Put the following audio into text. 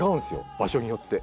場所によって。